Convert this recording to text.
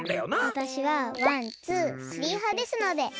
わたしは「ワンツースリー」はですので。